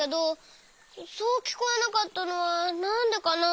そうきこえなかったのはなんでかな？